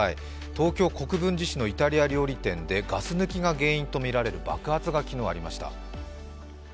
東京・国分寺市のイタリア料理店でガス抜きが原因とみられる爆発が昨日ありました。